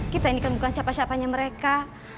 kita ini kan bukan siapa siapanya mereka